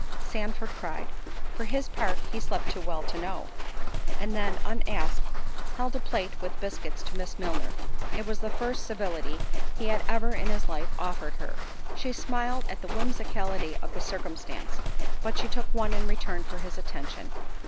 Sandford cried, "For his part he slept too well to know." And then (unasked) held a plate with biscuits to Miss Milner—it was the first civility he had ever in his life offered her; she smiled at the whimsicality of the circumstance, but she took one in return for his attention.